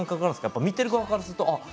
やっぱ見てる側からするとあっあれ？